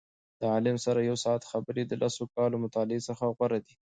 د عالم سره یو ساعت خبرې د لسو کالو مطالعې څخه غوره دي.